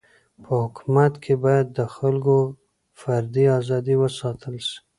په حکومت کي باید د خلکو فردي ازادي و ساتل سي.